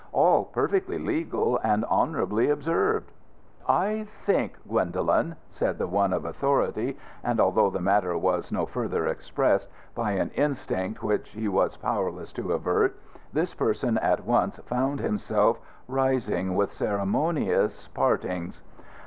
"All perfectly legal and honourably observed." "I think, Gwendoline " said the one of authority, and although the matter was no further expressed, by an instinct which he was powerless to avert, this person at once found himself rising with ceremonious partings.